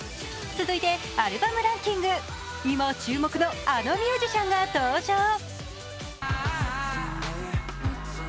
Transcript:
続いてアルバムランキング、今注目のあのミュージシャンが登場。